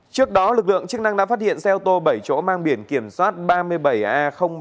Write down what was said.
trước đó lực lượng chức năng đã phát hiện xe ô tô bảy chỗ mang biển kiểm soát ba mươi bảy a ba nghìn hai trăm năm mươi tám